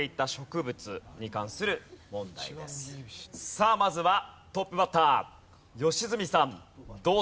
さあまずはトップバッター良純さんどうぞ。